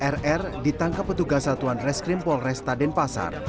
rr ditangkap petugas satuan reskrim polresta denpasar